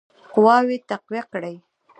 قواوي تقویه کړي.